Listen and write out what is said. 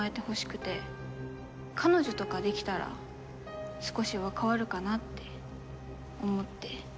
彼女とかできたら少しは変わるかなって思って。